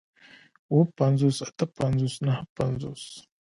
اووه پنځوس اتۀ پنځوس نهه پنځوس